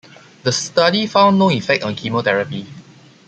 The study found no effect of chemotherapy.